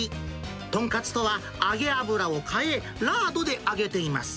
豚カツとは揚げ油を変え、ラードで揚げています。